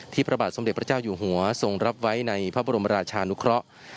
พระบาทสมเด็จพระเจ้าอยู่หัวทรงรับไว้ในพระบรมราชานุเคราะห์